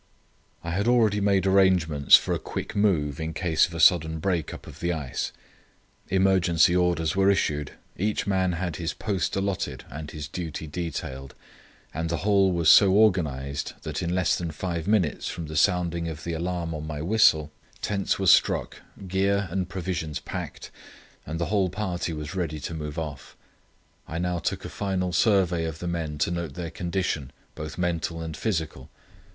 I had already made arrangements for a quick move in case of a sudden break up of the ice. Emergency orders were issued; each man had his post allotted and his duty detailed; and the whole was so organized that in less than five minutes from the sounding of the alarm on my whistle, tents were struck, gear and provisions packed, and the whole party was ready to move off. I now took a final survey of the men to note their condition, both mental and physical.